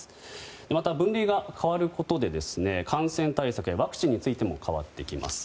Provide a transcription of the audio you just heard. また、分類が変わることで感染対策やワクチンについても変わってきます。